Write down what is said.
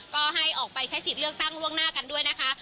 ก็ให้ออกไปใช้สิทธิ์เลือกตั้งล่วงหน้ากันด้วยนะคะ